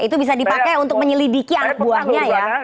itu bisa dipakai untuk menyelidiki anak buahnya ya